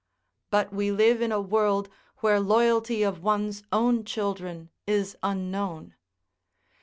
But we live in a world where loyalty of one's own children is unknown.